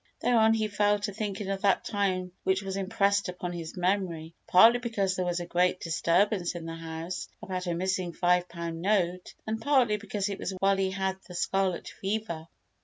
Thereon he fell to thinking of that time which was impressed upon his memory partly because there was a great disturbance in the house about a missing five pound note and partly because it was while he had the scarlet fever.